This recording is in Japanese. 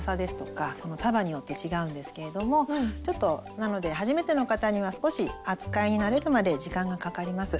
束によって違うんですけれどもなので初めての方には少し扱いに慣れるまで時間がかかります。